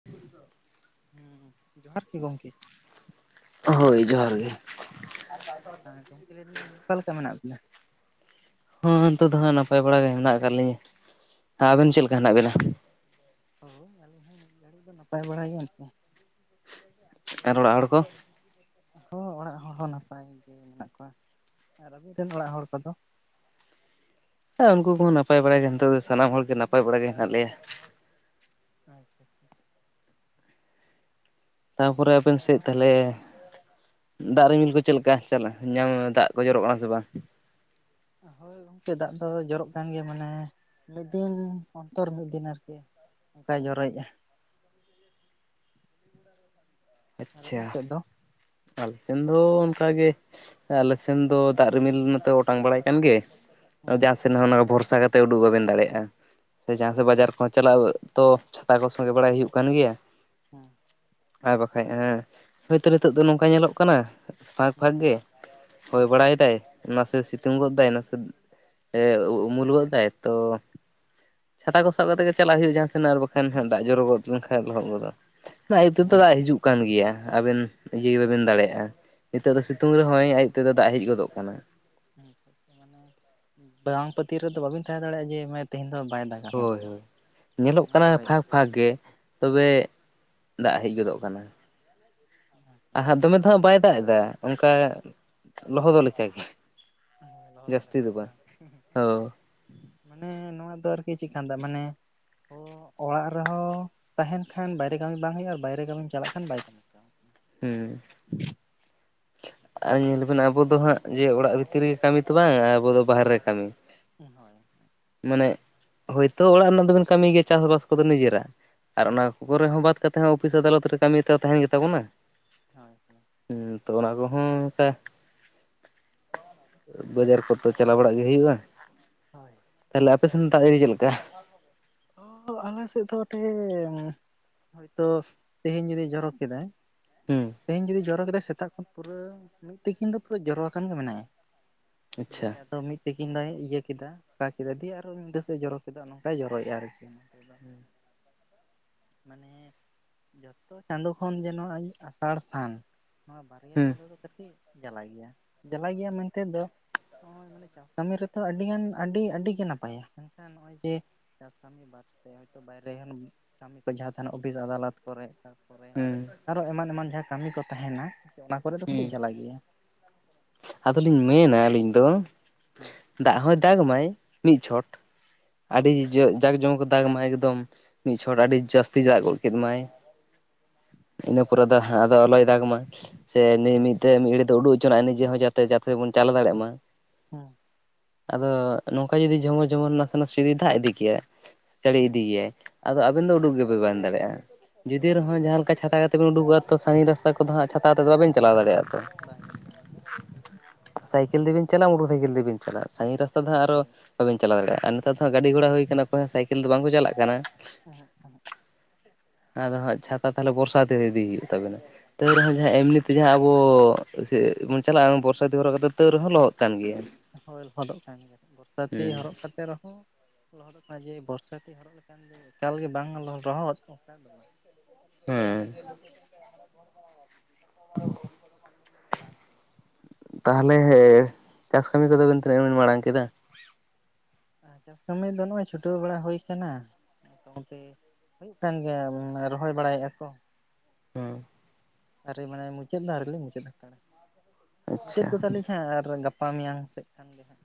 [inaudible] ᱦᱩᱸ ᱦᱩᱸ ᱡᱚᱦᱟᱨ ᱜᱮ ᱜᱚᱢᱠᱮ᱾ ᱦᱳᱭ ᱡᱚᱦᱟᱨ ᱜᱮ᱾ ᱦᱮᱸ ᱜᱚᱢᱠᱮ ᱞᱟᱹᱭ ᱫᱟᱞᱤᱧ ᱚᱠᱟᱞᱮᱠᱟ ᱢᱮᱱᱟᱜ ᱵᱤᱱᱟ? ᱦᱚᱸ ᱱᱤᱛᱚᱜ ᱫᱚ ᱦᱟᱸᱜ ᱱᱟᱯᱟᱭ ᱵᱟᱲᱟ ᱜᱮ ᱦᱮᱱᱟᱜ ᱟᱠᱟᱫ ᱞᱤᱧᱟᱹ᱾ ᱟᱵᱮᱱ ᱪᱮᱫ ᱞᱮᱠᱟ ᱦᱮᱱᱟᱜ ᱵᱮᱱᱟ? ᱦᱳᱭ ᱟᱹᱞᱤᱧ ᱦᱚᱸ ᱱᱤᱭᱟᱹ ᱜᱷᱟᱹᱲᱤᱡ ᱫᱚ ᱱᱟᱯᱟᱭ ᱵᱟᱲᱟ ᱮᱱᱛᱮ᱾ ᱟᱨ ᱚᱲᱟᱜ ᱦᱚᱲ ᱠᱚ? ᱦᱚᱸ ᱚᱲᱟᱜ ᱦᱚᱲ ᱦᱚᱸ ᱱᱟᱯᱟᱭ ᱜᱮ ᱢᱮᱱᱟᱜ ᱠᱚᱣᱟ ᱟᱨ ᱟᱹᱵᱤᱱ ᱨᱮᱱ ᱚᱲᱟᱜ ᱦᱚᱲ ᱠᱚᱫᱚ? ᱩᱱᱠᱩ ᱠᱚᱦᱚᱸ ᱱᱟᱯᱟᱭ ᱵᱟᱲᱟ ᱜᱮ ᱱᱤᱛᱚᱜ ᱫᱚ ᱥᱟᱱᱟᱢ ᱦᱚᱲ ᱜᱮ ᱱᱟᱯᱟᱭ ᱵᱟᱲᱟ ᱜᱮ ᱦᱮᱱᱟᱜ ᱞᱮᱭᱟ᱾ ᱟᱪᱪᱷᱟ ᱟᱪᱪᱷᱟ᱾ ᱛᱟᱯᱚᱨᱮ ᱟᱵᱮᱱ ᱥᱮᱫ ᱛᱟᱦᱞᱮᱼᱼ ᱫᱟᱜ ᱨᱤᱢᱤᱞ ᱠᱚ ᱪᱮᱫ ᱞᱮᱠᱟ ᱪᱟᱞᱟᱜ ᱫᱟᱜ ᱠᱚ ᱡᱚᱨᱚᱜ ᱠᱟᱱᱟ ᱥᱮ ᱵᱟᱝ ᱦᱳᱭ ᱜᱚᱝᱠᱮ ᱫᱟᱜ ᱫᱚ ᱡᱚᱨᱚᱜ ᱠᱟᱱ ᱜᱮᱭᱟ ᱢᱟᱱᱮ ᱢᱤᱫ ᱫᱤᱱ ᱚᱱᱛᱚᱨ ᱢᱤᱫ ᱫᱤᱱ ᱟᱨᱠᱤ ᱚᱱᱠᱟᱭ ᱡᱚᱨᱚᱭᱮᱜᱼᱟ ᱟᱨ ᱟᱪᱪᱷᱟ ᱟᱹᱵᱤᱱ ᱥᱮᱫ ᱫᱚ? ᱟᱞᱥᱮᱱ ᱫᱚ ᱚᱱᱠᱟᱜᱮ ᱟᱞᱮ ᱥᱮᱱ ᱫᱚ ᱫᱟᱜ ᱨᱤᱢᱤᱞ ᱢᱟᱛᱚ ᱚᱴᱟᱝ ᱵᱟᱲᱟᱭ ᱠᱟᱱ ᱜᱮ ᱦᱩᱸ ᱡᱟᱦᱟᱸ ᱦᱩᱸ ᱥᱮᱫ ᱦᱚᱸ ᱵᱷᱚᱨᱥᱟ ᱠᱟᱛᱮ ᱩᱰᱩᱠ ᱵᱟᱵᱮᱱ ᱫᱟᱲᱮᱭᱟᱜᱼᱟ ᱥᱮ ᱡᱟᱦᱟᱸ ᱥᱮᱫ ᱵᱟᱡᱟᱨ ᱠᱚᱦᱚᱸ ᱪᱟᱞᱟᱜ ᱚᱠᱛᱚ ᱪᱷᱟᱛᱟ ᱠᱚ ᱥᱚᱸᱜᱮ ᱵᱟᱲᱟᱭ ᱦᱩᱭᱩᱜ ᱠᱟᱱ ᱜᱮᱭᱟ ᱦᱮᱸ ᱟᱨ ᱵᱟᱠᱷᱟᱡ ᱦᱳᱭᱛᱚ ᱱᱤᱛᱳᱜ ᱫᱚ ᱱᱚᱝᱠᱟ ᱧᱮᱞᱚᱜ ᱠᱟᱱᱟ ᱯᱷᱟᱸᱠ ᱦᱩᱸ ᱯᱷᱟᱸᱠ ᱜᱮ ᱦᱳᱭ ᱵᱟᱲᱟᱭ ᱫᱟᱭ ᱱᱟᱥᱮ ᱥᱤᱛᱩᱝ ᱜᱚᱫ ᱫᱟᱭ ᱱᱟᱥᱮ ᱩᱢᱩᱞ ᱜᱚᱫᱟᱭ ᱛᱚ ᱪᱷᱟᱛᱟ ᱠᱚ ᱥᱟᱵ ᱠᱟᱛᱮ ᱜᱮ ᱪᱟᱞᱟᱜ ᱦᱩᱭᱩᱜᱼᱟ ᱡᱟᱦᱟᱸ ᱥᱮᱱ ᱟᱨ ᱵᱟᱠᱷᱟᱱ ᱦᱟᱸᱜ ᱫᱟᱜ ᱡᱚᱨᱚᱜᱚᱫ ᱞᱮᱱᱠᱷᱟᱱ ᱞᱚᱦᱚᱫ ᱜᱚᱫᱚᱜ ᱟᱭᱩᱵ ᱛᱮᱫᱚ ᱦᱮᱸ ᱫᱟᱜ ᱦᱤᱡᱩᱜ ᱠᱟᱱ ᱜᱮᱭᱟ ᱟᱵᱮᱱ ᱤᱭᱟᱹ ᱵᱟᱵᱮᱱ ᱫᱟᱲᱮᱭᱟᱜᱼᱟ᱾ ᱱᱤᱛᱚᱜ ᱫᱚ ᱥᱤᱛᱩᱝ ᱨᱮᱦᱚᱸᱭ ᱟᱭᱩᱵ ᱛᱮᱫᱚ ᱫᱟᱜ ᱦᱮᱡ ᱜᱚᱫᱚᱜ ᱠᱟᱱᱟ᱾ [unintelligible] ᱢᱟᱱᱮ ᱵᱟᱝ ᱯᱟᱹᱛᱤᱭᱟᱣ ᱨᱮᱫᱚ ᱵᱟᱹᱵᱤᱱ ᱛᱟᱦᱮᱸ ᱫᱟᱲᱮᱭᱟᱜᱼᱟ ᱡᱮ ᱛᱮᱦᱮᱧ ᱫᱚ ᱵᱟᱭ ᱫᱟᱜ ᱦᱳᱭ ᱦᱳᱭ ᱧᱮᱞᱚᱜ ᱠᱟᱱᱟ ᱯᱷᱟᱸᱠ ᱯᱷᱟᱸᱠ ᱜᱮ ᱛᱚᱵᱮ ᱫᱟᱜ ᱦᱮᱡ ᱜᱚᱫᱚᱜ ᱠᱟᱱᱟ ᱫᱚᱢᱮ ᱫᱚᱦᱟᱸᱜ ᱵᱟᱭ ᱫᱟᱜ ᱮᱫᱟ ᱚᱱᱠᱟ ᱞᱚᱦᱚᱫᱚᱜ ᱞᱮᱠᱟᱜᱮ ᱞᱚᱫᱚᱜ ᱡᱟᱹᱥᱛᱤ ᱞᱮᱠᱟ ᱫᱚ ᱜᱮ ᱵᱟᱝ ᱦᱳ ᱢᱟᱱᱮ ᱱᱚᱣᱟ ᱫᱚ ᱟᱨᱠᱤ ᱪᱮᱫᱠᱟᱱ ᱫᱟᱜ ᱢᱟᱱᱮ ᱚᱲᱟᱜ ᱨᱮᱦᱚᱸ ᱛᱟᱦᱮᱱ ᱠᱷᱟᱱ ᱵᱟᱭᱨᱮ ᱠᱟᱹᱢᱤ ᱵᱟᱝ ᱦᱩᱭᱩᱜᱼᱟ ᱟᱨ ᱵᱟᱭᱨᱮ ᱠᱟᱹᱢᱤᱢ ᱪᱟᱞᱟᱜ ᱠᱷᱟᱱ ᱵᱟᱭ ᱠᱟᱹᱢᱤᱜᱼᱟ ᱦᱩᱸ ᱟᱨ ᱧᱮᱞ ᱟᱵᱮᱱ ᱟᱵᱚ ᱫᱚ ᱦᱟᱸᱜ ᱡᱮ ᱚᱲᱟᱜ ᱵᱷᱤᱛᱤᱨ ᱨᱮᱜᱮ ᱠᱟᱹᱢᱤ ᱛᱚ ᱵᱟᱝ ᱟᱵᱚ ᱫᱚ ᱵᱟᱦᱨᱮ ᱨᱮ ᱠᱟᱹᱢᱤ ᱦᱳᱭ ᱢᱟᱱᱮ ᱦᱚᱭᱛᱳ ᱚᱲᱟᱜ ᱨᱮᱱᱟᱜ ᱫᱚᱵᱮᱱ ᱠᱟᱹᱢᱤ ᱜᱮᱭᱟ ᱪᱟᱥᱵᱟᱥ ᱠᱚᱫᱚ ᱱᱤᱡᱮᱨᱟᱜ ᱟᱨ ᱚᱱᱟ ᱜᱷᱚᱨᱮ ᱦᱚᱸ ᱵᱟᱫ ᱠᱟᱛᱮᱫ ᱦᱚᱸ ᱚᱯᱷᱤᱥ ᱟᱫᱟᱞᱚᱛ ᱨᱮ ᱠᱟᱹᱢᱤ ᱛᱚ ᱛᱟᱦᱮᱱ ᱜᱮᱛᱟ ᱵᱚᱱᱟ ᱦᱳᱭ ᱦᱚᱸ ᱛᱚ ᱚᱱᱟ ᱠᱚᱦᱚᱸ ᱚᱱᱠᱟ ᱵᱟᱡᱟᱨ ᱠᱚᱛᱚ ᱪᱟᱞᱟᱣ ᱵᱟᱲᱟᱜ ᱜᱮ ᱦᱩᱭᱩᱜᱼᱟ ᱦᱳᱭ ᱛᱟᱦᱚᱞᱮ ᱟᱯᱮ ᱥᱮᱱ ᱫᱟᱜ ᱡᱟ. ᱲᱤ ᱪᱮᱫ ᱞᱮᱠᱟ ᱚᱻ ᱟᱞᱮ ᱥᱮᱫ ᱫᱚ ᱱᱚᱛᱮ ᱦᱚᱭᱛᱳ ᱛᱮᱦᱮᱧ ᱡᱩᱫᱤ ᱡᱚᱨᱚ ᱠᱮᱫᱟᱭ ᱦᱩᱸ ᱛᱮᱦᱤᱧ ᱡᱩᱫᱤ ᱡᱚᱨᱚ ᱠᱮᱫᱟ ᱥᱮᱛᱟᱜ ᱠᱷᱚᱱ ᱯᱩᱨᱟᱹ ᱢᱤᱫ ᱛᱤᱠᱤᱱ ᱫᱚ ᱯᱩᱨᱟᱹ ᱡᱚᱨᱚ ᱟᱠᱟᱱ ᱜᱮ ᱢᱮᱱᱟᱭᱟ᱾ ᱟᱪᱪᱷᱟ ᱱᱤ. ᱭᱟ ᱛᱚ ᱢᱤᱫ [unintelligible] ᱛᱠᱤᱱ ᱫᱚᱭ ᱤᱭᱟᱹ ᱠᱮᱫᱟ ᱠᱮᱫᱟ ᱫᱤᱭᱮ ᱟᱨᱚ ᱱᱤᱫᱟ. ᱥᱮ ᱡᱚᱨᱚ ᱠᱮᱫᱟ ᱱᱚᱝᱠᱟᱭ ᱡᱚᱨᱚᱭᱼᱟ ᱟᱨᱠᱤ᱾ ᱢᱟᱱᱮ ᱡᱚᱛᱚ ᱪᱟᱸᱫᱚ ᱠᱷᱚᱱ ᱡᱮᱱᱚ ᱟᱥᱟᱲ ᱥᱟᱱ ᱱᱚᱣᱟ ᱵᱟᱨᱭᱟ ᱦᱩᱸ ᱪᱟᱸᱫᱚ ᱫᱚ ᱠᱟᱹᱴᱤᱡ ᱡᱟᱞᱟ ᱜᱮᱭᱟ ᱡᱟᱞᱟ ᱜᱮᱭᱟ ᱢᱮᱱᱛᱮ ᱫᱚ ᱪᱟᱥ ᱠᱟᱹᱢᱤ ᱨᱮᱛᱚ ᱟᱹᱰᱤᱜᱟᱱ ᱟᱹᱰᱤ ᱟᱹᱰᱤᱜᱮ ᱱᱟᱯᱟᱭᱟ ᱢᱮᱱᱠᱷᱟᱱ ᱱᱚᱜᱼᱚᱭ ᱡᱮ ᱪᱟᱥ ᱠᱟᱹᱢᱤ ᱦᱚᱭᱛᱚ ᱵᱟᱭᱨᱮ ᱠᱟᱹᱢᱤ ᱠᱚ ᱡᱟᱦᱟᱸᱱᱟ ᱚᱯᱷᱤᱥ ᱟᱫᱟᱞᱚᱛ ᱠᱚᱨᱮ ᱠᱚᱨᱮ ᱦᱩᱸ ᱟᱨᱦᱚ ᱮᱢᱟᱱ ᱮᱢᱟᱱ ᱡᱟᱦᱟᱸ ᱠᱟᱹᱢᱤ ᱠᱚ ᱛᱟᱦᱮᱱᱟ ᱚᱱᱟ ᱠᱚᱨᱮ ᱫᱚ ᱦᱩᱸ ᱠᱟᱹᱴᱤᱡᱪ ᱡᱟᱞᱟ ᱜᱮᱭᱟ᱾ ᱟᱫᱚᱞᱤᱧ ᱢᱮᱱᱟ ᱟᱹᱞᱤᱧ ᱫᱚ ᱦᱮᱸ ᱫᱟᱜ ᱦᱚᱭ ᱫᱟᱜᱽ ᱢᱟᱭ ᱢᱤᱫ ᱪᱷᱚᱴ ᱟᱹᱰᱤ ᱦᱳᱭ ᱡᱟᱠ ᱡᱚᱢ ᱠᱟᱛᱮᱫᱚ ᱫᱟᱜᱽ ᱢᱟᱭ ᱮᱠᱫᱚᱢ ᱢᱤᱫ ᱡᱷᱚᱬ ᱟᱹᱰᱤ ᱡᱟᱹᱥᱛᱤ ᱡᱟᱜ ᱜᱚᱫ ᱠᱮᱫ ᱢᱟᱭ ᱤᱱᱟᱹ ᱯᱚᱨᱮ ᱫᱚ ᱟᱫᱚ ᱟᱞᱚᱭ ᱫᱟᱜᱽᱢᱟ ᱥᱮ ᱢᱤᱫ ᱜᱷᱟᱹᱲᱤᱡ ᱫᱚ ᱩᱰᱩᱠ ᱦᱚᱪᱚ ᱟᱱᱤᱪ ᱡᱮ ᱡᱟᱛᱮ ᱡᱟᱛᱮ ᱵᱚᱱ ᱪᱟᱞᱟᱣ ᱫᱟᱲᱮᱭᱟᱜ ᱢᱟ ᱦᱮᱸ ᱟᱫᱚ ᱱᱚᱝᱠᱟ ᱡᱩᱫᱤ ᱡᱮᱢᱚᱱ ᱡᱢᱚᱱ ᱱᱟᱥᱮ ᱱᱟᱥᱮ ᱫᱟᱜ ᱤᱫᱤ ᱠᱮᱭᱟ ᱡᱟᱹᱲᱤ ᱤᱫᱤ ᱦᱮᱸ ᱜᱮᱭᱟᱭ ᱟᱫᱚ ᱟᱵᱮᱱ ᱫᱚ ᱩᱰᱩᱠ ᱜᱮ ᱵᱟᱵᱮᱱ ᱫᱟᱲᱮᱭᱟᱜᱼᱟ ᱡᱩᱫᱤ ᱵᱟᱝ ᱨᱮᱦᱚᱸ ᱵᱟᱝ ᱡᱟᱦᱟᱸ ᱞᱮᱠᱟ ᱪᱷᱟᱛᱟ ᱠᱟᱛᱮᱵᱤᱱ ᱩᱰᱩᱠᱚᱜᱼᱟ ᱛᱚ ᱥᱟᱺᱜᱤᱧ ᱨᱟᱥᱛᱟ ᱠᱚᱫᱚ ᱦᱟᱸ ᱪᱷᱟᱛᱟ ᱠᱟᱛᱮᱫ ᱵᱟᱵᱮᱱ ᱪᱟᱞᱟᱣ ᱫᱟᱲᱮᱭᱟᱜ ᱛᱚ ᱵᱟᱝ ᱵᱟᱝ ᱥᱟᱭᱠᱮᱞ ᱛᱮᱵᱮᱱ ᱪᱟᱞᱟᱜ ᱢᱚᱴᱚᱨ ᱥᱟᱭᱠᱮᱞ ᱛᱮᱵᱮᱱ ᱪᱟᱞᱟᱜᱼᱟ ᱥᱟᱺᱜᱤᱧ ᱨᱟᱥᱛᱟ ᱫᱚ ᱦᱟᱸᱜ ᱟᱨᱦᱚᱸ ᱦᱳᱭ ᱵᱟᱵᱮᱱ ᱪᱟᱞᱟᱣ ᱫᱟᱲᱮᱭᱟᱜᱼᱟ ᱱᱮᱛᱟᱨ ᱫᱚ ᱦᱚᱸ ᱱᱷᱟᱜ ᱜᱟᱹᱰᱤ ᱜᱷᱚᱲᱟ ᱦᱩᱭ ᱟᱠᱟᱱᱟ ᱚᱠᱚᱭ ᱦᱚᱸ ᱥᱟᱭᱠᱮᱞ ᱫᱚ ᱵᱟᱝᱠᱚ ᱪᱟᱞᱟᱜ ᱠᱟᱱᱟ ᱦᱮᱸ [unintelligible] ᱟᱫᱚ ᱦᱟᱸᱜ ᱪᱷᱟᱛᱟ ᱛᱟᱦᱚᱞᱮ ᱵᱚᱨᱥᱟᱛᱤ ᱤᱫᱤ ᱦᱩᱭᱩᱜ ᱛᱟᱵᱮᱱᱟ ᱛᱚ ᱦᱳᱭ ᱨᱮᱦᱚᱸ ᱡᱟᱦᱟᱸ ᱮᱢᱱᱤ ᱛᱮ ᱡᱟᱦᱟᱸ ᱟᱵᱚ ᱵᱚᱱ ᱪᱟᱞᱟᱜᱼᱟ ᱵᱚᱨᱥᱟᱛᱤ ᱦᱚᱨᱚᱜ ᱠᱟᱛᱮ ᱛᱟᱹᱣ ᱨᱮᱦᱚᱸ ᱞᱚᱦᱚᱫ ᱠᱟᱱ ᱜᱮᱭᱟ ᱦᱳᱭ ᱞᱚᱦᱚᱫᱚᱜ ᱠᱟᱱ ᱜᱮᱭᱟ ᱵᱚᱨᱥᱟᱛᱤ ᱦᱩᱸ ᱦᱚᱨᱚᱜ ᱠᱟᱛᱮᱫ ᱨᱮᱦᱚᱸ ᱞᱚᱦᱚᱫᱚᱜ ᱠᱟᱱᱟ ᱡᱮ ᱵᱚᱨᱥᱟᱛᱤ ᱦᱚᱨᱚᱜ ᱞᱮᱠᱷᱟᱱ ᱫᱚ ᱮᱠᱟᱞᱜᱮ ᱵᱟᱝ ᱞᱚᱦᱚᱫ ᱨᱮᱦᱚᱸ ᱚᱱᱠᱟ ᱫᱚ ᱵᱟᱝ ᱦᱮᱸ ᱛᱟᱦᱚᱞᱮ ᱪᱟᱥ ᱠᱟᱹᱢᱤ ᱠᱚᱫᱚ ᱵᱮᱱ ᱛᱤᱱᱟᱹᱜ ᱵᱮᱱ ᱢᱟᱲᱟᱝ ᱠᱮᱫᱟ ᱪᱟᱥ ᱠᱟᱹᱢᱤ ᱫᱚ ᱱᱚᱜᱼᱚᱭ ᱪᱷᱩᱴᱟᱹᱣ ᱵᱟᱲᱟ ᱦᱩᱭ ᱟᱠᱟᱱᱟ ᱢᱚᱴᱟᱢᱩᱴᱤ ᱦᱩᱭᱩᱜ ᱠᱟᱱ ᱜᱮᱭᱟ ᱨᱚᱦᱚᱭ ᱵᱟᱲᱟᱭᱮᱫᱼᱟ ᱠᱚ [unintelligible] ᱟᱹᱣᱨᱤ ᱢᱟᱱᱮ ᱢᱩᱪᱟᱹᱫ ᱫᱚ ᱟᱹᱣᱨᱤ ᱞᱤᱧ ᱢᱩᱪᱟᱹᱫ ᱦᱟᱛᱟᱱᱛᱟᱲᱟ ᱢᱩᱪᱟᱹᱫ ᱟᱪᱪᱷᱟ ᱜᱚᱫᱟᱞᱤᱧ ᱦᱟᱸᱜ ᱟᱨ ᱜᱟᱯᱟ ᱜᱟᱯᱟ ᱢᱮᱭᱟᱝ ᱥᱮᱫ ᱠᱷᱟᱱ ᱜᱮ ᱱᱷᱟᱜ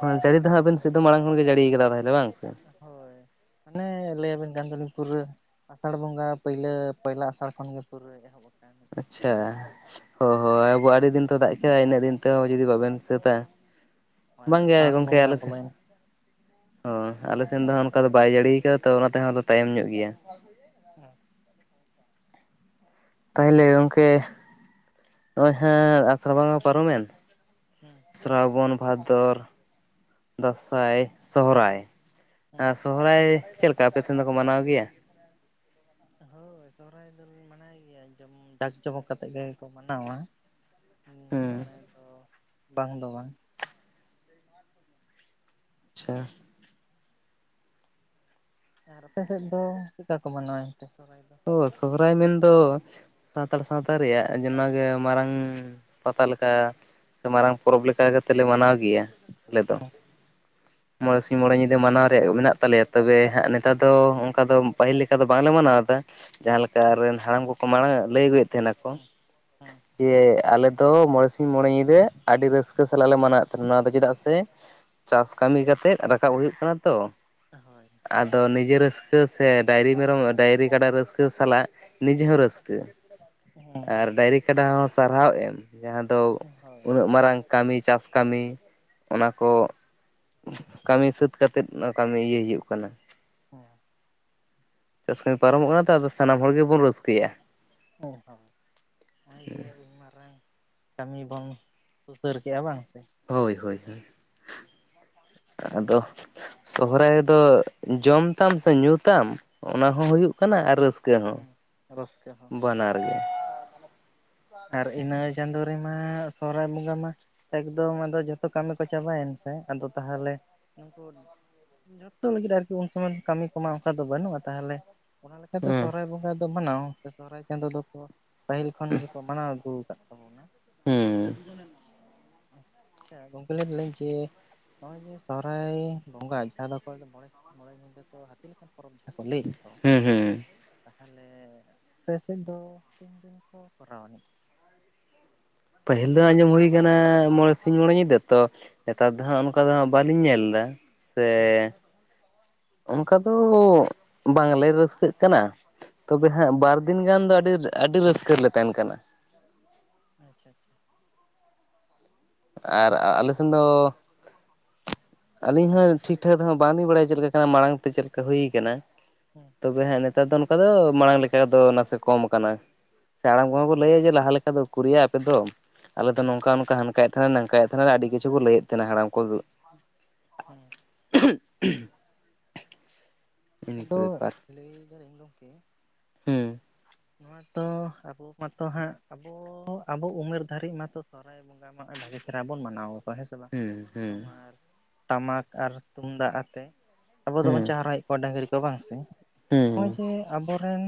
ᱦᱳᱭ ᱡᱟᱹᱲᱤ ᱫᱚ ᱦᱟᱸᱜ ᱟᱹᱵᱤᱱ ᱥᱮᱫ ᱫᱚ ᱢᱟᱲᱟᱝ ᱠᱷᱚᱱᱜᱮ ᱡᱟᱹᱲᱤᱭᱟᱠᱟᱫᱟ ᱛᱟᱦᱚᱞᱮ ᱵᱟᱝ ᱥᱮ ᱦᱳᱭ ᱢᱟᱱᱮ ᱞᱟᱹᱭᱟᱹᱵᱤᱱ ᱠᱟᱱ ᱫᱚᱞᱤᱧ ᱯᱩᱨᱟᱹ ᱟᱥᱟᱲ ᱵᱚᱸᱜᱟ ᱯᱟᱹᱭᱞᱟᱹ ᱯᱚᱭᱞᱟ ᱟᱥᱟᱲ ᱠᱷᱚᱱᱜᱮ ᱯᱩᱨᱟᱹ ᱮᱦᱚᱵ ᱟᱠᱟᱱᱟ ᱟᱪᱪᱷᱟ ᱦᱳᱭ ᱟᱵᱚ ᱟᱹᱰᱤ ᱫᱤᱱ ᱛᱚ ᱫᱟᱜ ᱠᱮᱫᱟ ᱤᱱᱟᱹᱜ ᱫᱤᱱ ᱛᱮᱦᱚᱸ ᱡᱩᱫᱤ ᱵᱟᱵᱮᱱ ᱥᱟᱹᱛᱟ ᱱᱚᱜᱼᱚᱭ ᱵᱟᱝ ᱜᱮ ᱟᱥᱟᱲ ᱜᱚᱝᱠᱮ ᱵᱚᱸᱜᱟ ᱟᱞᱮ ᱥᱮᱫ ᱵᱚᱞᱚᱭᱮᱱ ᱦᱚᱭ ᱟᱞᱮ ᱥᱮᱱ ᱫᱚ ᱦᱟᱸᱜ ᱚᱱᱠᱟ ᱫᱚ ᱵᱟᱭ ᱡᱟᱹᱲᱤᱭᱟᱠᱟᱫᱟ ᱛᱚ ᱚᱱᱟ ᱛᱮᱦᱚᱸ ᱫᱚ ᱛᱟᱭᱚᱢ ᱧᱚᱜ ᱜᱮᱭᱟ [inaudible] ᱦᱮᱸ ᱛᱟᱦᱚᱞᱮ ᱜᱚᱢᱠᱮ ᱱᱚᱜᱼᱚᱭ ᱦᱟᱸᱜ ᱟᱥᱟᱲ ᱵᱚᱸᱜᱟ ᱯᱟᱨᱚᱢᱮᱱ ᱦᱩᱸ ᱥᱨᱟᱵᱚᱱ ᱵᱷᱟᱫᱚᱨ ᱫᱟᱸᱥᱟᱭ ᱥᱚᱦᱨᱟᱭ ᱦᱩᱸ ᱥᱚᱦᱚᱨᱟᱭ ᱪᱮᱫ ᱞᱮᱠᱟ ᱟᱯᱮ ᱥᱮᱱ ᱫᱚᱠᱚ ᱢᱟᱱᱟᱣ ᱜᱮᱭᱟ ᱦᱚᱭ ᱥᱚᱦᱨᱟᱭ [unintelligible] ᱢᱟᱱᱟᱣ ᱜᱮᱭᱟ ᱡᱚᱢ ᱡᱟᱠ ᱡᱚᱢᱚᱠ ᱠᱟᱛᱮᱫ ᱜᱮᱠᱚ ᱢᱟᱱᱟᱣᱟ ᱦᱩᱸ ᱦᱮᱸ ᱫᱚᱢᱮ ᱫᱚ ᱵᱟᱝ ᱫᱚ ᱵᱟᱝ ᱟᱪᱪᱷᱟ ᱟᱨ ᱟᱯᱮ ᱥᱮᱫ ᱫᱚ ᱪᱮᱫᱼᱠᱟ ᱠᱚ ᱢᱟᱱᱟᱣᱟ ᱮᱱᱛᱮ ᱥᱚᱨᱦᱟᱭ ᱫᱚ ᱚᱻ ᱥᱚᱦᱨᱟᱭ ᱢᱮᱱᱫᱚ ᱥᱟᱱᱛᱟᱲ ᱥᱟᱶᱛᱟ ᱨᱮᱭᱟᱜ ᱚᱱᱟ ᱜᱮ ᱢᱟᱨᱟᱝᱼᱼ ᱯᱟᱛᱟ ᱞᱮᱠᱟ ᱥᱮ ᱢᱟᱨᱟᱝ ᱯᱚᱨᱚᱵᱽ ᱞᱮᱠᱟ ᱠᱟᱛᱮ ᱞᱮ ᱢᱟᱱᱟᱣ ᱜᱮᱭᱟ ᱟᱞᱮ ᱫᱚ ᱦᱮᱸ ᱢᱚᱬᱮ ᱥᱤᱧ ᱢᱚᱬᱮ ᱧᱤᱫᱟᱹ ᱢᱟᱱᱟᱣ ᱨᱮᱭᱟᱜ ᱢᱮᱱᱟᱜ ᱛᱟᱞᱮᱭᱟ ᱛᱚᱵᱮ ᱦᱟᱸᱜ ᱱᱮᱛᱟᱨ ᱫᱚ ᱚᱱᱠᱟ ᱫᱚ ᱯᱟᱹᱦᱤᱞ ᱞᱮᱠᱟ ᱫᱚ ᱵᱟᱝᱞᱮ ᱢᱟᱱᱟᱣ ᱮᱫᱟ ᱡᱟᱦᱟᱸ ᱞᱮᱠᱟ ᱟᱪᱪᱷᱟ ᱨᱮᱱ ᱦᱟᱲᱟᱢ ᱠᱚᱠᱚ ᱢᱟᱲᱟᱝ ᱞᱟᱹᱭ ᱟᱹᱜᱩᱭᱮᱫ ᱛᱟᱦᱮᱱᱟᱠᱚ ᱦᱮᱸ ᱦᱮᱸ ᱡᱮ ᱟᱞᱮ ᱫᱚ ᱢᱚᱬᱮ ᱥᱤᱧ ᱢᱚᱬᱮ ᱧᱤᱫᱟᱹ ᱟᱹᱰᱤ ᱨᱟᱹᱥᱠᱟᱹ ᱥᱟᱞᱟᱜ ᱞᱮ ᱢᱟᱱᱟᱣᱮᱫ ᱛᱟᱦᱮᱱᱟ ᱱᱚᱣᱟ ᱫᱚ ᱪᱮᱫᱟᱜ ᱥᱮ ᱪᱟᱥ ᱠᱟᱹᱢᱤ ᱠᱟᱛᱮᱜ ᱨᱟᱠᱟᱵ ᱦᱩᱭᱩᱜ ᱠᱟᱱᱟ ᱛᱚ ᱦᱳᱭ ᱟᱫᱚ ᱱᱤᱡᱮ ᱨᱟᱹᱥᱠᱟᱹ ᱥᱮ ᱰᱟᱭᱨᱤ ᱢᱮᱨᱚᱢ ᱰᱟᱭᱨᱤ ᱠᱟᱰᱟ ᱨᱟᱹᱥᱠᱟᱹ ᱨᱟᱹᱥᱠᱟᱹ ᱥᱟᱞᱟᱜ ᱱᱤᱡᱮ ᱦᱚᱸ ᱨᱟᱹᱥᱠᱟᱹ ᱦᱮᱸ ᱟᱨ ᱦᱳᱭ ᱰᱟᱭᱨᱤ ᱠᱟᱰᱟ ᱦᱚᱸ ᱥᱟᱨᱦᱟᱣ ᱮᱢ ᱡᱟᱦᱟᱸ ᱫᱚ ᱦᱮᱸ ᱦᱳᱭ ᱩᱱᱟᱹᱜ ᱢᱟᱨᱟᱝ ᱠᱟᱹᱢᱤ ᱪᱟᱥ ᱠᱟᱹᱢᱤ ᱚᱱᱟ ᱠᱚ ᱠᱟᱹᱢᱤ ᱥᱟᱹᱛ ᱠᱟᱛᱮᱫ ᱱᱚᱣᱟ ᱠᱟᱹᱢᱤ ᱤᱭᱟᱹᱭ ᱦᱩᱭᱩᱜ ᱠᱟᱱᱟ ᱦᱮᱸ ᱪᱟᱥ ᱠᱟᱹᱢᱤ ᱯᱟᱨᱚᱢᱚᱜ ᱠᱟᱱᱟ ᱛᱚ ᱟᱫᱚ ᱥᱟᱱᱟᱢ ᱦᱚᱲ ᱜᱮᱵᱚᱱ ᱨᱟᱹᱥᱠᱟᱹᱭᱟ ᱦᱮᱸ ᱦᱚᱭ ᱱᱚᱜᱼᱚᱭ ᱡᱮ ᱩᱱ ᱢᱟᱨᱟᱝ ᱠᱟᱹᱢᱤ ᱵᱚᱱ ᱥᱩᱥᱟᱹᱨ ᱠᱮᱜᱼᱟ ᱵᱟᱝ ᱥᱮ ᱦᱳᱭ ᱦᱳᱭ ᱦᱚᱭ ᱟᱫᱚ ᱥᱚᱦᱨᱟᱭ ᱨᱮᱫᱚ ᱡᱚᱢ ᱛᱟᱢ ᱥᱮ ᱧᱩᱼᱛᱟᱢ ᱚᱱᱟ ᱦᱚᱸ ᱦᱩᱭᱩᱜ ᱠᱟᱱᱟ ᱟᱨ ᱨᱟᱹᱥᱠᱟᱹ ᱠᱟᱹ ᱦᱚᱸ ᱦᱮᱸ ᱨᱟᱹᱥᱠᱟᱹ ᱦᱚᱸ ᱵᱟᱱᱟᱨ ᱜᱮ ᱟᱨ ᱤᱱᱟᱹ ᱪᱟᱸᱫᱚ ᱨᱮᱢᱟ ᱥᱚᱦᱚᱨᱟᱭ ᱵᱚᱸᱜᱟ ᱢᱟ ᱮᱠᱫᱚᱢ ᱟᱫᱚ ᱡᱚᱛᱚ ᱠᱟᱹᱢᱤ ᱠᱚ ᱪᱟᱵᱟᱭᱮᱱ ᱥᱮ ᱟᱫᱚ ᱛᱟᱦᱞᱮ ᱱᱩᱠᱩ ᱡᱚᱛᱚ ᱞᱟᱹᱜᱤᱫ ᱟᱨᱠᱤ ᱩᱱ ᱥᱚᱢᱚᱭ ᱠᱟᱹᱢᱤ ᱠᱚᱢᱟ ᱚᱱᱠᱟ ᱫᱚ ᱵᱟᱹᱱᱩᱜᱼᱟ ᱛᱟᱦᱞᱮ ᱚᱱᱟ ᱞᱮᱠᱟᱛᱮ ᱦᱮᱸ ᱥᱚᱦᱚᱨᱟᱭ ᱵᱚᱸᱜᱟ ᱫᱚ ᱢᱟᱱᱟᱣ ᱥᱮ ᱥᱚᱦᱚᱨᱟᱭ ᱪᱟᱸᱫᱚ ᱫᱚᱠᱚ ᱯᱟᱹᱦᱤᱞ ᱠᱷᱚᱱ ᱜᱮᱠᱚ ᱢᱟᱱᱟᱣ ᱟᱹᱜᱩ ᱟᱠᱟᱫ ᱟᱠᱚ ᱦᱩᱸ ᱟᱪᱪᱷᱟ ᱜᱚᱝᱠᱮ ᱞᱟᱹᱭ ᱫᱟᱞᱤᱧ ᱠᱤ ᱱᱚᱜᱼᱚᱭ ᱡᱮ ᱥᱚᱦᱨᱟᱭ ᱵᱚᱸᱜᱟ ᱡᱟᱦᱟᱸ ᱫᱚ ᱚᱠᱚᱭ ᱫᱚ ᱢᱚᱬᱮ ᱥᱤᱧ ᱢᱚᱬᱮ ᱧᱤᱫᱟᱹ ᱠᱚ ᱦᱟᱹᱛᱤ ᱞᱮᱠᱟᱱ ᱯᱚᱨᱚᱵᱽ ᱡᱟᱦᱟᱸ ᱠᱚ ᱞᱟᱹᱭ ᱮᱫ ᱫᱚ ᱦᱩᱸ ᱦᱩᱸ ᱛᱟᱦᱞᱮ ᱟᱯᱮ ᱥᱮᱫ ᱫᱚ ᱛᱤᱱ ᱫᱤᱱ ᱠᱚ ᱠᱚᱨᱟᱣ ᱟᱹᱱᱤᱡ ᱯᱟᱹᱦᱤᱞ ᱫᱚ ᱟᱸᱡᱚᱢ ᱦᱩᱭ ᱠᱟᱱᱟ ᱢᱚᱬᱮ ᱥᱤᱧ ᱢᱚᱬᱮ ᱧᱤᱫᱟᱹ ᱛᱚ ᱱᱮᱛᱟᱨ ᱫᱚ ᱦᱟᱸᱜ ᱚᱱᱠᱟ ᱫᱚ ᱵᱟᱹᱞᱤᱧ ᱧᱮᱞ ᱮᱫᱟ ᱥᱮ ᱦᱮᱸ ᱚᱱᱠᱟ ᱫᱚ ᱵᱟᱝᱞᱮ ᱨᱟᱹᱥᱠᱟᱹᱜ ᱠᱟᱱᱟ ᱛᱚᱵᱮ ᱦᱮᱸ ᱦᱟᱸᱜ ᱵᱟᱨ ᱫᱤᱱ ᱜᱟᱱ ᱫᱚ ᱟᱹᱰᱤ ᱟᱹᱰᱤ ᱨᱟᱹᱥᱠᱟᱹ ᱨᱮᱞᱮ ᱛᱟᱦᱮᱱ ᱠᱟᱱᱟ᱾ ᱟᱪᱪᱷᱟ ᱟᱨ ᱟᱞᱮ ᱥᱮᱱ ᱫᱚ ᱟᱹᱞᱤᱧ ᱦᱚᱸ ᱴᱷᱤᱠ ᱴᱷᱟᱠ ᱫᱚ ᱦᱟᱸᱜ ᱵᱟᱝᱞᱤᱧ ᱵᱟᱲᱟᱭᱟ ᱪᱮᱫ ᱞᱮᱠᱟ ᱠᱟᱱᱟ ᱢᱟᱲᱟᱝ ᱛᱮ ᱪᱮᱫ ᱞᱮᱠᱟ ᱦᱩᱭ ᱠᱟᱱᱟ᱾ ᱦᱩᱸ ᱛᱚᱵᱮ ᱦᱮᱸ ᱱᱮᱛᱟᱨ ᱫᱚ ᱱᱚᱝᱠᱟ ᱫᱚ ᱢᱟᱲᱟᱝ ᱞᱮᱠᱟ ᱫᱚ ᱱᱟᱥᱮ ᱠᱚᱢ ᱠᱟᱱᱟ᱾ ᱥᱮ ᱦᱟᱲᱟᱢ ᱠᱚᱦᱚᱸ ᱠᱚ ᱦᱮᱸ ᱞᱟᱹᱭᱟ ᱡᱮ ᱞᱟᱦᱟ ᱞᱮᱠᱟ ᱫᱚ ᱩᱠᱩᱨᱭᱟ ᱟᱯᱮ ᱫᱚ ᱟᱞᱮᱫᱚ ᱦᱮᱸ ᱱᱚᱝᱠᱟ ᱱᱚᱝᱠᱟ ᱦᱟᱱᱠᱟᱭᱮᱫ ᱛᱟᱦᱮᱸ ᱱᱟᱝᱟᱭ ᱛᱟᱦᱮᱱᱟ ᱟᱹᱰᱤ ᱠᱤᱪᱷᱩ ᱠᱚ ᱞᱟᱹᱭᱮᱫ ᱛᱟᱦᱮᱱᱟ ᱦᱟᱲᱟᱢ ᱠᱚ ᱦᱩᱸ [unintelligible] ᱤᱱᱟᱹ ᱠᱚ ᱟᱫᱚ ᱵᱮᱯᱟᱨ ᱞᱟᱹᱭ ᱫᱟᱞᱤᱧ ᱜᱚᱝᱠᱮ ᱦᱩᱸ ᱱᱚᱣᱟᱛᱚ ᱟᱵᱚ ᱢᱟᱛᱚ ᱦᱟᱸᱜ ᱟᱵᱚ ᱟᱵᱚ ᱩᱢᱮᱨ ᱫᱷᱟᱹᱨᱤᱡᱽ ᱢᱟᱛᱚ ᱥᱚᱨᱦᱟᱭ ᱵᱚᱸᱜᱟ ᱢᱟ ᱵᱷᱟᱜᱮ ᱪᱮᱦᱨᱟ ᱵᱚᱱ ᱢᱟᱱᱟᱣ ᱟᱠᱚᱣᱟ ᱦᱮᱸ ᱥᱮ ᱵᱟᱝ ᱦᱩᱸ ᱦᱩᱸ ᱛᱳᱢᱟᱨ ᱴᱟᱢᱟᱠ ᱟᱨ ᱛᱩᱢᱫᱟᱜ ᱟᱛᱮ ᱟᱵᱚ ᱫᱚᱵᱚᱱ ᱦᱩᱸ ᱪᱟᱨᱦᱟᱣᱮᱫ ᱠᱚᱣᱟ ᱰᱟᱹᱝᱨᱤ ᱠᱚ ᱵᱟᱝ ᱥᱮ ᱱᱚᱜ-ᱚᱭ ᱡᱮ ᱦᱩᱸ ᱡᱮ ᱟᱵᱚᱨᱮᱱ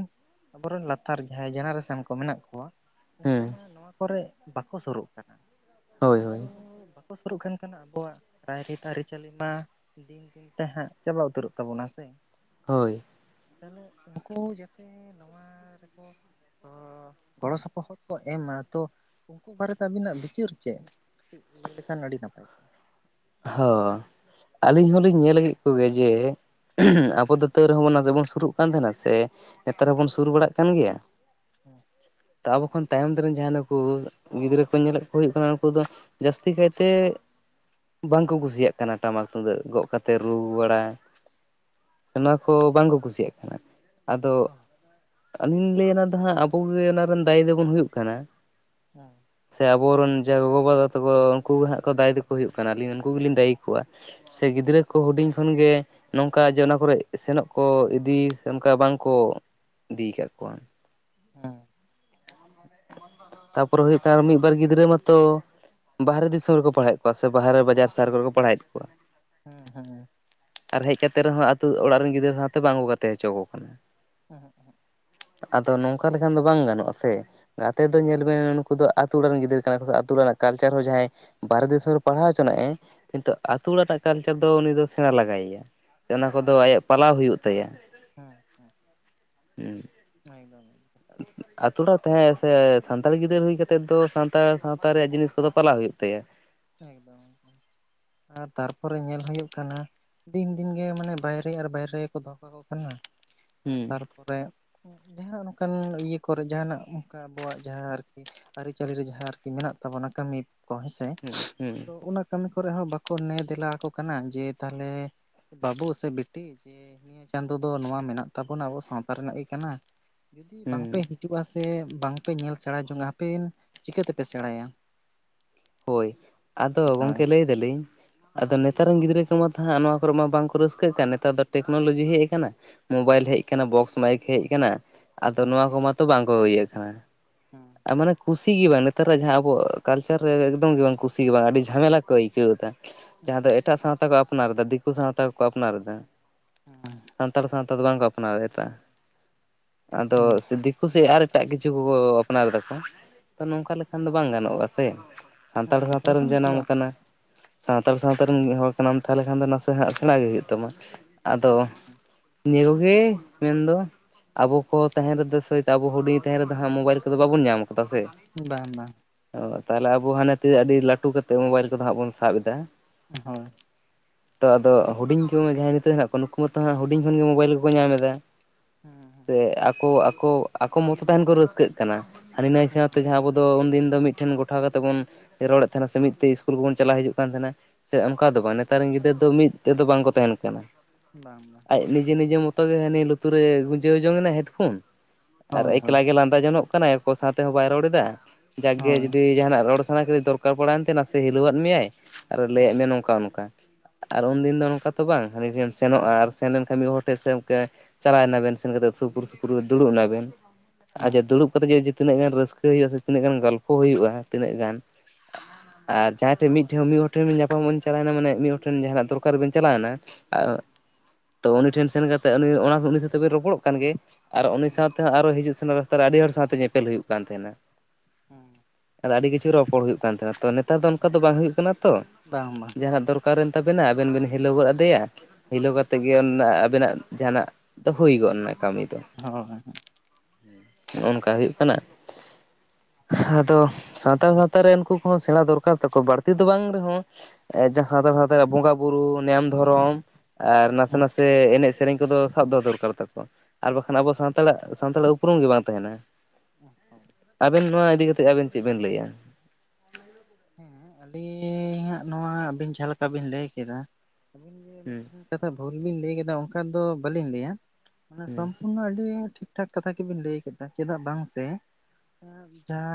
ᱟᱵᱚᱨᱮᱱ ᱞᱟᱛᱟᱨ ᱡᱟᱦᱟᱸᱭ ᱡᱮᱱᱟᱨᱮᱥᱮᱱ ᱠᱚ ᱢᱮᱱᱟᱜ ᱠᱚᱣᱟ ᱩᱱᱠᱩ ᱦᱩᱸ ᱢᱟ ᱱᱚᱣᱟ ᱠᱚᱨᱮ ᱵᱟᱠᱚ ᱥᱩᱨᱩᱜ ᱠᱟᱱᱟ ᱦᱳᱭ ᱦᱳᱭ ᱛᱚ ᱵᱟ ᱥᱩᱨᱩᱜ ᱠᱟᱱ ᱠᱟᱱᱟ ᱟᱵᱚᱣᱟᱜ ᱨᱟᱭᱨᱤᱛ ᱟᱹᱨᱤᱪᱟᱹᱞᱤ ᱢᱟ ᱫᱤᱱ ᱫᱤᱱ ᱛᱮ ᱦᱟᱸᱜ ᱪᱟᱵᱟ ᱩᱛᱟᱹᱨᱚᱜ ᱛᱟᱵᱚᱱᱟ ᱥᱮ ᱦᱳᱭ ᱛᱟᱦᱞᱮ ᱩᱱᱠᱩ ᱡᱟᱛᱮ ᱱᱚᱣᱟ ᱨᱮᱠᱚ ᱛᱚ ᱜᱚᱲᱚ ᱥᱚᱯᱚᱦᱚᱫ ᱠᱚ ᱮᱢᱟ ᱛᱚ ᱩᱱᱠᱩ ᱵᱟᱨᱮᱛᱮ ᱟᱹᱵᱤᱱᱟᱜ ᱵᱤᱪᱟᱹᱨ ᱪᱮᱫ? ᱠᱟᱹᱴᱤᱡ ᱞᱟᱹᱭ ᱞᱮᱠᱷᱟᱱ ᱟᱹᱰᱤ ᱱᱟᱯᱟᱭ ᱠᱚ ᱦᱚ ᱟᱹᱞᱤᱧ ᱦᱚᱞᱤᱧ ᱧᱮᱞ ᱠᱮᱫ ᱠᱚᱜᱮᱭ ᱡᱮ ᱟᱵᱚ ᱫᱚ ᱛᱟᱹᱨᱮᱦᱚ ᱵᱚᱱ ᱱᱟᱡᱮ ᱵᱚᱱ ᱥᱩᱨᱩᱜ ᱠᱟᱱ ᱛᱟᱦᱮᱱᱟ ᱥᱮ ᱱᱮᱛᱟᱨ ᱦᱚᱵᱚᱱ ᱥᱩᱨ ᱵᱟᱲᱟᱜ ᱠᱟᱱ ᱜᱮᱭᱟ ᱦᱩᱸ ᱛᱟ ᱟᱵᱚ ᱠᱷᱚᱱ ᱛᱟᱭᱚᱢ ᱛᱮ ᱨᱮᱱ ᱡᱟᱦᱟᱸᱭ ᱱᱩᱠᱩ ᱜᱤᱫᱽᱨᱟᱹ ᱠᱚ ᱧᱮᱞᱮᱫ ᱠᱚ ᱦᱩᱭᱩᱜ ᱠᱟᱱᱟ ᱩᱱᱠᱩ ᱫᱚ ᱡᱟᱹᱥᱛᱤ ᱠᱟᱭᱛᱮ ᱵᱟᱝᱠᱚ ᱠᱩᱥᱤᱭᱟᱜ ᱠᱟᱱᱟ ᱴᱟᱢᱟᱠ ᱛᱩᱢᱫᱟᱹᱜ ᱜᱚᱜᱽ ᱠᱟᱛᱮᱫ ᱨᱩ ᱵᱟᱲᱟ ᱥᱮ ᱱᱚᱣᱟ ᱠᱚ ᱵᱟᱝᱠᱚ ᱠᱩᱥᱤᱭᱟᱜ ᱠᱟᱱᱟ᱾ ᱟᱫᱚ ᱟᱹᱞᱤᱧ ᱞᱟᱹᱭᱫᱟ ᱟᱵᱚᱜᱮ ᱚᱱᱟ ᱨᱤᱱ ᱫᱟᱹᱭᱤ ᱫᱚᱵᱚᱱ ᱦᱩᱭᱩᱜ ᱠᱟᱱᱟ᱾ ᱦᱩᱸ᱾ ᱥᱮ ᱟᱵᱚᱨᱮᱱ ᱡᱟ ᱜᱚᱜᱚ ᱵᱟᱵᱟ ᱛᱟᱠᱚ ᱩᱱᱠᱩ ᱦᱟᱸᱜ ᱠᱚ ᱫᱟᱭ ᱛᱮᱠᱚ ᱦᱩᱭᱩᱜ ᱠᱟᱱᱟᱞᱤᱧ ᱩᱱᱠᱩ ᱜᱮᱞᱤᱧ ᱫᱟᱹᱭᱤ ᱠᱚᱣᱟ ᱥᱮ ᱜᱤᱫᱽᱨᱟᱹ ᱠᱚ ᱦᱩᱰᱤᱧ ᱠᱷᱚᱱ ᱜᱮ ᱱᱚᱝᱠᱟ ᱡᱮ ᱚᱱᱟ ᱠᱚᱨᱮᱜ ᱥᱮᱱᱚᱜ ᱠᱚ ᱤᱫᱤ ᱚᱱᱠᱟ ᱵᱟᱝᱠᱚ ᱤᱫᱤ ᱠᱟᱜ ᱠᱚᱣᱟ ᱦᱩᱸ ᱛᱟᱯᱚᱨᱮ ᱦᱩᱭᱩᱜ ᱠᱟᱱᱟ ᱢᱤᱫᱵᱟᱨ ᱜᱤᱫᱽᱨᱟᱹ ᱢᱟᱛᱚ ᱵᱟᱦᱨᱮ ᱫᱤᱥᱚᱢ ᱨᱮᱠᱚ ᱯᱟᱲᱦᱟᱣᱮᱫ ᱠᱚᱣᱟ ᱥᱮ ᱵᱟᱦᱨᱮ ᱵᱟᱡᱟᱨ ᱥᱟᱦᱟᱨ ᱠᱚᱨᱮ ᱠᱚ ᱯᱟᱲᱦᱟᱣᱮᱫ ᱠᱚᱣᱟ ᱦᱮᱸ ᱦᱮᱸ ᱟᱨ ᱦᱮᱡ ᱠᱟᱛᱮ ᱨᱮᱦᱚᱸ ᱟᱹᱛᱩ ᱚᱲᱟᱜ ᱨᱤᱱ ᱜᱤᱫᱽᱨᱟᱹ ᱥᱟᱶᱛᱮ ᱵᱟᱝᱠᱚ ᱜᱟᱛᱮ ᱦᱚᱪᱚ ᱠᱚ ᱠᱟᱱᱟ᱾ ᱮᱦᱮᱸᱜ ᱮᱦᱮᱸᱜ᱾ ᱟᱫᱚ ᱱᱚᱝᱠᱟ ᱞᱮᱠᱷᱟᱱ ᱫᱚ ᱵᱟᱝ ᱜᱟᱱᱚᱜ-ᱟ ᱥᱮ ᱜᱟᱛᱮ ᱫᱚ ᱦᱮᱸ ᱧᱮᱞ ᱵᱟᱝ ᱵᱤᱱ ᱵᱟᱝ ᱱᱩᱠᱩ ᱫᱚ ᱟ. ᱛᱩ ᱚᱲᱟᱜ ᱨᱤᱱ ᱜᱤᱫᱽᱨᱟᱹ ᱠᱟᱱᱟ ᱠᱚ ᱥᱮ ᱟ. ᱛᱩ ᱚᱲᱟᱜ ᱨᱮᱱᱟᱜ ᱠᱟᱞᱪᱟᱨ ᱦᱚᱸ ᱡᱟᱦᱟᱸᱭ ᱵᱟᱨᱦᱮ ᱫᱤᱥᱚᱢ ᱨᱮ ᱯᱟᱲᱦᱟᱣ ᱪᱚᱱᱟᱜᱮ ᱠᱤᱱᱛᱩ ᱟᱹᱛᱩ ᱚᱲᱟᱜ ᱨᱮᱱᱟᱜ ᱠᱟᱞᱪᱟᱨ ᱫᱚ ᱩᱱᱤ ᱫᱚ ᱥᱮᱬᱟ ᱞᱟᱜᱟᱭᱮᱭᱟ᱾ ᱥᱮ ᱚᱱᱟ ᱦᱮᱸ ᱠᱚᱫᱚ ᱟᱭᱟᱜ ᱯᱟᱞᱟᱣ ᱦᱩᱭᱩᱜ ᱛᱟᱭᱟ᱾ ᱦᱚᱭ ᱜᱚᱝᱠᱮ᱾ [inaudible] ᱟ. ᱛᱩ ᱚᱲᱟᱜ ᱨᱮ ᱛᱟᱦᱮᱸ ᱥᱮ ᱥᱟᱱᱛᱟᱲᱤ ᱜᱤᱫᱟᱹᱨ ᱦᱩᱭ ᱠᱟᱛᱮᱫ ᱫᱚ ᱥᱟᱱᱛᱟᱲ ᱥᱟᱶᱛᱟ ᱨᱮᱭᱟᱜ ᱡᱤᱱᱤᱥ ᱠᱚᱫᱚ ᱯᱟᱞᱟᱣ ᱦᱩᱭᱩᱜ ᱛᱟᱭᱟ᱾ ᱮᱠᱫᱚᱢ ᱟᱨ ᱛᱟᱨᱯᱚᱨᱮ ᱧᱮᱞ ᱦᱩᱭᱩᱜ ᱠᱟᱱᱟ᱾ ᱫᱤᱱ ᱫᱤᱱᱜᱮ ᱢᱟᱱᱮ ᱵᱟᱭᱨᱤ ᱟᱨ ᱵᱟᱭᱨᱟ. ᱜᱮᱠᱚ ᱫᱚᱦᱚ ᱠᱟᱠᱚ ᱠᱟᱱᱟ ᱟᱨ ᱦᱩᱸ ᱛᱟᱨᱯᱚᱨᱮ ᱡᱟᱦᱟᱱᱟᱜ ᱱᱚᱝᱠᱟᱱ ᱤᱭᱟᱹ ᱠᱚᱨᱮ ᱡᱟᱦᱟᱱᱟᱜ ᱚᱱᱠᱟ ᱟᱵᱚᱣᱟᱜ ᱡᱟᱦᱟᱸ ᱟᱨᱠᱤ ᱟᱹᱨᱤᱪᱟᱹᱞᱤ ᱨᱮ ᱡᱟᱦᱟᱸ ᱟᱨᱠᱤ ᱢᱮᱱᱟᱜ ᱛᱟᱵᱚᱱᱟ ᱠᱟᱹᱢᱤ ᱠᱚ ᱦᱮᱸᱥᱮ᱾ ᱦᱩᱸ ᱦᱩᱸ᱾ ᱛᱚ ᱚᱱᱟ ᱠᱟᱹᱢᱤ ᱠᱚᱨᱮ ᱦᱚ ᱵᱟᱠᱚ ᱱᱮ ᱫᱮᱞᱟ ᱟᱠᱚ ᱠᱟᱱᱟ ᱡᱮ ᱛᱟᱦᱞᱮ ᱵᱟᱹᱵᱩ ᱥᱮ ᱵᱤᱴᱤ ᱡᱮ ᱱᱤᱭᱟᱹ ᱪᱟᱸᱫᱚ ᱫᱚ ᱱᱚᱣᱟ ᱢᱮᱱᱟᱜ ᱛᱟᱵᱚᱱᱟ ᱟᱵᱚ ᱥᱟᱶᱛᱟ ᱨᱮᱱᱟᱜ ᱜᱮ ᱠᱟᱱᱟ᱾ ᱡᱩᱫᱤ ᱵᱟᱝᱯᱮ ᱦᱩᱸ ᱦᱤᱡᱩᱜ-ᱟ ᱥᱮ ᱵᱟᱝᱯᱮ ᱧᱮᱞ ᱥᱮᱬᱟ ᱡᱚᱝ-ᱟ ᱟᱯᱮ ᱪᱤᱠᱟᱹ ᱛᱮᱯᱮ ᱥᱮᱬᱟᱭᱟ? ᱦᱚᱭ ᱟᱫᱚ ᱦᱳᱭ ᱜᱚᱝᱠᱮ ᱞᱟᱹᱭ ᱫᱟᱞᱤᱧ ᱦᱳᱭ ᱟᱫᱚ ᱱᱮ ᱱᱮᱛᱟᱨ ᱨᱤᱱ ᱜᱤᱫᱽᱨᱟᱹ ᱠᱚᱢᱟ ᱛᱟᱦᱟᱸᱜ ᱱᱚᱣᱟ ᱠᱚᱨᱮ ᱢᱟ ᱵᱟᱝᱠᱚ ᱨᱟᱹᱥᱠᱟᱹᱜ ᱠᱟᱱ ᱱᱮᱛᱟᱨ ᱫᱚ ᱴᱮᱠᱱᱚᱞᱚᱡᱤ ᱦᱮᱡ ᱟᱠᱟᱱᱟ ᱾ ᱢᱚᱵᱟᱭᱤᱞ ᱦᱮᱡ ᱦᱮᱸ ᱟᱠᱟᱱᱟ, ᱵᱚᱠᱥ ᱢᱟ. ᱭᱤᱠ ᱦᱮᱡ ᱟᱠᱟᱱᱟ, ᱟᱫᱚ ᱱᱚᱣᱟ ᱠᱚ ᱢᱟᱛᱚ ᱵᱟᱝᱠᱚ ᱤᱭᱟᱹ ᱠᱟᱱᱟ ᱾ ᱦᱩᱸ᱾ ᱟᱨ ᱢᱟᱱᱮ ᱠᱩᱥᱤ ᱜᱮ ᱵᱟᱝ ᱱᱮᱛᱟᱨᱟᱜ ᱡᱟᱦᱟᱸ ᱟᱵᱚᱣᱟᱜ ᱠᱟᱞᱪᱟᱨ ᱨᱮ ᱮᱠᱫᱚᱢ ᱜᱮ ᱵᱟᱝ ᱠᱩᱥᱤ ᱜᱮ ᱵᱟᱝ ᱟᱹᱰᱤ ᱡᱷᱟᱢᱮᱞᱟ ᱠᱚ ᱟᱹᱭᱠᱟᱹᱣ ᱮᱫᱟ ᱾ ᱟᱪᱪᱷᱟ ᱡᱟᱦᱟᱸ ᱫᱚ ᱮᱴᱟᱜ ᱥᱟᱶᱛᱟ ᱠᱚ ᱟᱯᱱᱟᱨ ᱮᱫᱟ ᱾ ᱫᱤᱠᱩ ᱥᱟᱶᱛᱟ ᱠᱚᱠᱚ ᱟᱯᱱᱟᱨ ᱮᱫᱟ ᱾ ᱦᱩᱸ᱾ ᱥᱟᱱᱛᱟᱲ ᱥᱟᱶᱛᱟ ᱫᱚ ᱵᱟᱝᱠᱚ ᱟᱯᱱᱟᱨ ᱮᱫᱟ ᱾ ᱟᱫᱚ ᱦᱮᱸ ᱥᱤ ᱫᱤ ᱠᱩᱥᱤ ᱟᱨ ᱮᱴᱟᱜ ᱠᱤᱪᱷᱩ ᱠᱚᱠᱚ ᱟᱯᱱᱟᱨ ᱮᱫᱟᱠᱚ ᱛᱚ ᱱᱚᱝᱠᱟ ᱞᱮᱠᱷᱟᱱ ᱫᱚ ᱵᱟᱝ ᱜᱟᱱᱚᱜᱼᱟ ᱥᱮ? ᱥᱟᱱᱛᱟᱲ ᱦᱮᱸ ᱥᱟᱶᱛᱟ ᱨᱮᱢ ᱵᱟᱠᱷᱟᱱ ᱡᱟᱱᱟᱢ ᱵᱟᱝ ᱟᱠᱟᱱᱟ᱾ ᱥᱟᱱᱛᱟᱲ ᱥᱟᱶᱛᱟ ᱨᱮᱱ ᱢᱤᱫ ᱦᱚᱲ ᱠᱟᱱᱟᱢ ᱛᱟᱦᱚᱞᱞᱮ ᱠᱷᱟᱱ ᱫᱚ ᱱᱟᱥᱮ ᱦᱟᱸᱜ ᱥᱮᱬᱟ ᱜᱮ ᱦᱩᱭᱩᱜ ᱛᱟᱢᱟ ᱾ ᱟᱫᱚ ᱦᱮᱸ ᱦᱮᱸ ᱱᱤᱭᱟᱹ ᱠᱚᱜᱮ ᱢᱮᱱ ᱫᱚ ᱟᱵᱚ ᱠᱚ ᱛᱟᱦᱮᱱ ᱨᱮᱫᱚ ᱥᱮ ᱟᱵᱚ ᱦᱩᱰᱤᱧ ᱛᱟᱦᱮᱱ ᱨᱮᱫᱚ ᱦᱟᱸᱜ ᱢᱚᱵᱟᱭᱤᱞ ᱠᱚᱫᱚ ᱵᱟᱵᱚᱱ ᱧᱟᱢ ᱠᱟᱫᱟ ᱥᱮ᱾ ᱵᱟᱝ ᱵᱟᱝ ᱛᱟᱦᱞᱮ ᱟᱵᱚ ᱦᱟᱱᱮ ᱛᱮ ᱟᱹᱰᱤ ᱞᱟᱹᱴᱩ ᱠᱟᱛᱮᱫ ᱢᱚᱵᱟᱭᱤᱞ ᱠᱚᱫᱚ ᱦᱟᱸᱜ ᱵᱚᱱ ᱥᱟᱵ ᱮᱫᱟ ᱾ ᱦᱚᱭ᱾ [inaudible] ᱛᱚ ᱟᱫᱚ ᱦᱩᱰᱤᱧ ᱠᱚ ᱡᱟᱦᱟᱸᱭ ᱱᱤᱛᱚᱜ ᱦᱮᱱᱟᱜ ᱠᱚᱣᱟ ᱱᱩᱠᱩ ᱢᱟᱛᱚ ᱦᱟᱸᱜ ᱦᱩᱰᱤᱧ ᱠᱷᱚᱱ ᱜᱮ ᱢᱩᱵᱟᱭᱤᱞ ᱜᱮᱠᱚ ᱧᱟᱢ ᱮᱫᱟ ᱾ ᱦᱮᱸ ᱥᱮ ᱦᱮᱸ ᱟᱠᱚ ᱟᱠᱚ ᱟᱠᱚ ᱢᱚᱛᱚ ᱛᱟᱦᱮᱱ ᱠᱚ ᱨᱟᱹᱥᱠᱟᱹᱜ ᱠᱟᱱᱟ ᱾ ᱦᱟᱹᱱᱤ ᱱᱟᱹᱭ ᱦᱮᱸ ᱥᱟᱶᱛᱮ ᱡᱟᱦᱟᱸ ᱟᱵᱚ ᱟᱫᱚ ᱩᱱ ᱫᱤᱱ ᱫᱚ ᱢᱤᱫ ᱴᱷᱮᱱ ᱜᱚᱴᱟᱣ ᱠᱟᱛᱮᱫ ᱵᱚᱱ ᱨᱚᱲᱮᱫ ᱛᱟᱦᱮᱱ ᱥᱮ ᱢᱤᱫ ᱛᱮ ᱤᱥᱠᱩᱞ ᱠᱚᱵᱚᱱ ᱪᱟᱞᱟᱣ ᱦᱤᱡᱩᱜ ᱠᱟᱱ ᱛᱟᱦᱮᱱᱟ ᱾ ᱥᱮ ᱚᱱᱠᱟ ᱫᱚ ᱵᱟᱝ ᱱᱮᱛᱟᱨ ᱨᱤᱱ ᱜᱤᱫᱽᱨᱟᱹ ᱫᱚ ᱢᱤᱫ ᱛᱮ ᱫᱚ ᱵᱟᱝᱠᱚ ᱛᱟᱦᱮᱱ ᱠᱟᱱᱟ ᱾ ᱵᱟᱝ ᱵᱟᱝ᱾ ᱟᱡ ᱱᱤᱡᱮ ᱱᱤᱡᱮ ᱢᱚᱛᱚ ᱜᱮ ᱦᱟᱱᱤ ᱞᱩᱛᱩᱨ ᱨᱮ ᱜᱩᱸᱡᱟᱹᱣ ᱡᱚᱝ ᱮᱱᱟ ᱦᱮᱰᱯᱷᱳᱱ᱾ ᱟᱨ ᱦᱳᱭ ᱦᱳᱭ ᱮᱠᱷᱞᱟ ᱜᱮ ᱞᱟᱸᱫᱟ ᱡᱚᱱᱚᱜ ᱠᱟᱱᱟᱭ ᱾ᱚᱠᱚᱭ ᱥᱟᱶᱛᱮ ᱦᱚᱸ ᱵᱟᱭ ᱨᱚᱲ ᱮᱫᱟ ᱾ ᱡᱟᱠᱜᱮ ᱦᱳᱭ ᱡᱩᱫᱤ ᱡᱟᱦᱟᱱᱟᱜ ᱨᱚᱲ ᱥᱟᱱᱟ ᱠᱮᱫᱮ ᱫᱚᱨᱠᱟᱨ ᱯᱟᱲᱟᱭᱮᱱ ᱛᱮ ᱱᱟᱥᱮ ᱦᱤᱞᱟᱹᱣᱟᱫ ᱢᱮᱭᱟᱭ ᱟᱨ ᱞᱟᱹᱭᱟᱜ ᱦᱳᱭ ᱢᱮᱭᱟ ᱚᱝᱠᱟ ᱱᱚᱝᱠᱟ ᱾ ᱠᱟᱨ, ᱩᱱ ᱦᱮᱸ ᱫᱤᱱ ᱫᱚ ᱱᱚᱝᱠᱟ ᱛᱚ ᱵᱟᱝ ᱦᱟᱹᱱᱤ ᱴᱷᱮᱱ ᱮᱢ ᱥᱮᱱᱚᱜᱼᱟ ᱟᱨ ᱦᱮᱸ ᱥᱮᱱ ᱞᱮᱱᱠᱷᱟᱱ ᱢᱤᱫ ᱦᱚᱲ [unintelligible] ᱦᱮᱸ ᱟᱪᱪᱷᱟ ᱫᱩᱲᱩᱵ ᱠᱟᱛᱮᱜ ᱡᱫᱤ ᱛᱤᱱᱟᱹᱜ ᱜᱟᱱ ᱨᱟᱹᱥᱠᱟᱹ ᱦᱩᱭᱩᱜᱼᱟ ᱥᱮ ᱛᱤᱱᱟᱹᱜ ᱜᱟᱱ ᱜᱚᱞᱯᱷᱚ ᱦᱩᱭᱩᱜᱼᱟ ᱾ ᱛᱤᱱᱟᱹᱜ ᱜᱟᱱ ᱟᱨ ᱡᱟᱦᱟᱸᱭ ᱴᱷᱮᱱ ᱢᱤᱫ ᱴᱷᱮᱱ ᱢᱤᱫ ᱦᱚᱲ ᱴᱷᱮᱱ ᱧᱟᱯᱟᱢᱚᱜ ᱵᱤᱱ ᱪᱟᱞᱟᱣ ᱮᱱᱟ ᱢᱟᱱᱮ ᱢᱤᱫ ᱦᱚᱲ ᱴᱷᱮᱱ ᱡᱟᱦᱟᱱᱟᱜ ᱫᱚᱨᱠᱟᱨ ᱵᱤᱱ ᱪᱟᱞᱟᱣ ᱮᱱᱟ᱾ ᱟᱨ ᱛᱚ ᱩᱱᱤ ᱴᱷᱮᱱ ᱥᱮᱱ ᱠᱟᱛᱮᱫ ᱚᱱᱟ ᱩᱱᱤ ᱥᱟᱶ ᱛᱮᱵᱤᱱ ᱨᱚᱯᱚᱲᱚᱜ ᱠᱟᱱ ᱜᱮ ᱾ ᱟᱨ ᱩᱱᱤ ᱦᱮᱸ ᱥᱟᱶᱛᱮ ᱦᱚᱸ ᱟᱨᱦᱚ ᱦᱤᱡᱩᱜ ᱥᱮᱱᱚᱜ ᱨᱟᱥᱛᱟ ᱨᱮ ᱟᱹᱰᱤ ᱦᱚᱲ ᱥᱟᱶᱛᱮ ᱧᱮᱯᱮᱞ ᱦᱩᱭᱩᱜ ᱠᱟᱱ ᱛᱟᱦᱮᱱᱟ ᱾ ᱦᱩᱸ᱾ ᱟᱫᱚ ᱟᱹᱰᱤ ᱠᱤᱪᱷᱩ ᱨᱚᱯᱚᱲ ᱦᱩᱭᱩᱜ ᱠᱟᱱ ᱛᱟᱦᱮᱸᱱᱟ ᱾ ᱛᱚ ᱱᱮᱛᱟᱨ ᱫᱚ ᱚᱱᱠᱟ ᱫᱚ ᱦᱳᱭ ᱵᱟᱝ ᱦᱩᱭᱩᱜ ᱠᱟᱱᱟ ᱛᱚ ᱵᱟᱝ ᱵᱟᱝ ᱡᱟᱦᱱᱟᱜ ᱫᱚᱨ ᱚᱠᱟᱨᱮᱱ ᱛᱟᱵᱮᱱᱟ ᱟᱵᱮᱱ ᱵᱤᱱ ᱦᱤᱞᱟᱹ ᱜᱚᱫ ᱟᱫᱮᱭᱟ ᱾ ᱦᱮᱞᱳᱣ ᱠᱟᱛᱮᱫ ᱜᱮ ᱟᱵᱮᱱᱟᱜ ᱡᱟᱦᱟᱱᱟᱜ ᱫᱚ ᱦᱩᱭ ᱜᱚᱫ ᱮᱱᱟ ᱠᱟᱹᱢᱤ ᱫᱚ ᱾ ᱦᱚᱸ [unintelligible] ᱱᱚᱜ-ᱚ ᱱᱚᱝᱠᱟ ᱦᱩᱭᱩᱜ ᱠᱟᱱᱟ ᱾ ᱟᱫᱚ ᱥᱟᱱᱛᱟᱲ ᱥᱟᱶᱛᱟ ᱨᱮ ᱩᱱᱠᱩ ᱠᱚᱦᱚᱸ ᱥᱮᱬᱟ ᱫᱚᱨᱠᱟᱨ ᱛᱟᱠᱚ ᱵᱟᱹᱲᱛᱤ ᱫᱚ ᱵᱟᱝ ᱨᱮᱦᱚᱸ ᱡᱟᱦᱟᱸ ᱥᱟᱱᱛᱟᱲ ᱥᱟᱶᱛᱟ ᱨᱮᱭᱟᱜ ᱵᱚᱸᱜᱟ ᱵᱩᱨᱩ, [unintelligible] ᱫᱷᱚᱨᱚᱢ, ᱟᱨ ᱱᱟᱥᱮ ᱱᱟᱥᱮ ᱮᱱᱮᱡ ᱥᱮᱨᱮᱧ ᱠᱚᱫᱚ ᱥᱟᱵ ᱫᱚᱦᱚ ᱫᱚᱨᱠᱟᱨ ᱛᱟᱠᱚ ᱟᱨ ᱚ ᱵᱟᱠᱷᱟᱱ ᱦᱚᱸ ᱟᱵᱚ ᱥᱟᱱᱛᱟᱲᱟᱜ ᱥᱟᱱᱛᱟᱲᱟᱜ ᱩᱯᱨᱩᱢ ᱜᱮ ᱵᱟᱝ ᱛᱟᱦᱮᱱᱟ ᱾ ᱦᱳᱭ ᱟᱹᱵᱤᱱ ᱱᱚᱣᱟ ᱤᱫᱤ ᱠᱟ ᱠᱟᱛᱮᱫ ᱟᱹᱵᱤᱱ ᱪᱮᱫ ᱵᱤᱱ ᱞᱟᱹᱭᱟ? ᱦᱮᱸ ᱟᱹᱞᱤᱧᱟᱜ ᱱᱚᱣᱟ ᱟᱹᱵᱤᱱ ᱡᱟᱦᱟᱸ ᱞᱮᱠᱟ ᱵᱤᱱ ᱞᱟᱹᱭ ᱠᱮᱫᱟ ᱟᱹᱵᱤᱱ ᱡᱮ ᱦᱩᱸ ᱢᱤᱫᱴᱮᱱ ᱠᱟᱛᱷᱟ ᱵᱷᱩᱞ ᱵᱤᱱ ᱞᱟᱹᱭ ᱠᱮᱫᱟ ᱚᱱᱠᱟ ᱫᱚ ᱵᱟᱹᱞᱤᱧ ᱞᱟᱹᱭᱟ, ᱚᱱᱟ ᱥᱚᱢ [unintelligible] ᱟᱹᱰᱤ ᱴᱷᱤᱠ ᱴᱷᱟᱠ ᱠᱟᱛᱷᱟ ᱜᱮᱵᱤᱱ ᱞᱟᱹᱭ ᱠᱮᱫᱟ ᱪᱮᱫᱟᱜ ᱵᱟᱝ ᱥᱮ ᱡᱟᱦᱟᱸ